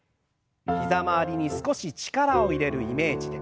膝周りに少し力を入れるイメージで。